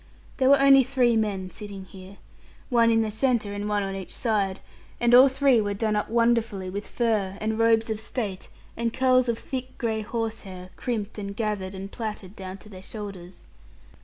There were only three men sitting here, one in the centre, and one on each side; and all three were done up wonderfully with fur, and robes of state, and curls of thick gray horsehair, crimped and gathered, and plaited down to their shoulders.